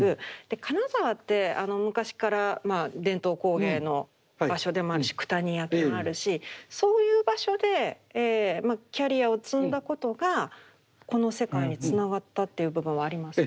金沢って昔から伝統工芸の場所でもあるし九谷焼もあるしそういう場所でキャリアを積んだことがこの世界につながったっていう部分はありますか？